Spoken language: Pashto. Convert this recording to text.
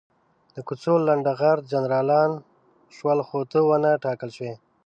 د کوڅو لنډه غر جنرالان شول، خو ته ونه ټاکل شوې.